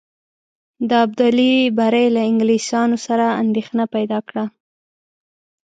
د ابدالي بری له انګلیسیانو سره اندېښنه پیدا کړه.